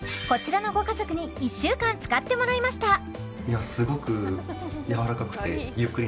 こちらのご家族に１週間使ってもらいました